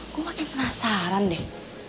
aku makin penasaran deh